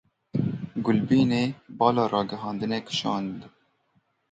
Gulbînê bala ragihandinê kişand.